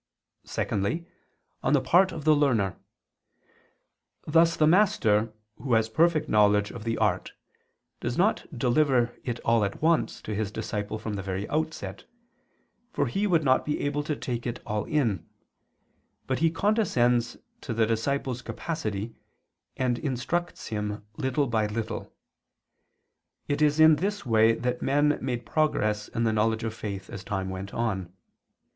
Secondly, on the part of the learner; thus the master, who has perfect knowledge of the art, does not deliver it all at once to his disciple from the very outset, for he would not be able to take it all in, but he condescends to the disciple's capacity and instructs him little by little. It is in this way that men made progress in the knowledge of faith as time went on.